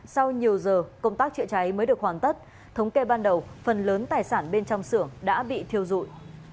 sau nhiều giờ công tác chữa cháy mới được hoàn tất thống kê ban đầu phần lớn tài sản bên trong xưởng đã bị thiêu dụi